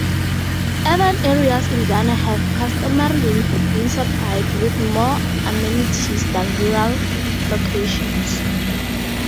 Urban areas in Ghana have customarily been supplied with more amenities than rural locations.